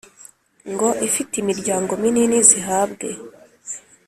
Ngo izifite imiryango minini zihabwe